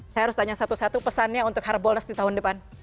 saya harus tanya satu satu pesannya untuk harbolnas di tahun depan